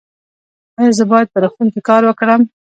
ایا زه باید په روغتون کې کار وکړم؟